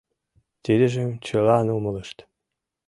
Тидыжым чылан умылышт.